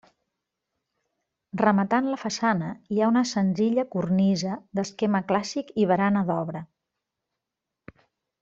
Rematant la façana hi ha una senzilla cornisa d'esquema clàssic i barana d'obra.